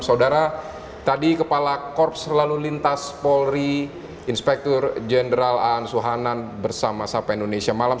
saudara tadi kepala korps lalu lintas polri inspektur jenderal an suhanan bersama sapa indonesia malam